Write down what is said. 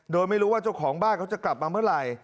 โดยไม่รู้ว่าเจ้าของบ้านเขาจะกลับมาเมื่อไหร่